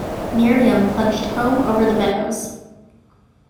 Miriam plunged home over the meadows.